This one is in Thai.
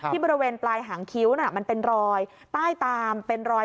ที่บริเวณปลายหางคิ้วมันเป็นรอยป้ายตามเป็นรอย